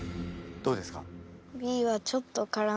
どうですか？